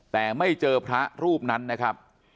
แต่ไม่เจอพระรูปนั้นนะครับ